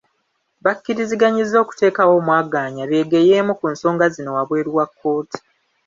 Bakkiriziganyizza okuteekawo omwagaanya beegeyeemu ku nsonga zino wabweru wa kkooti.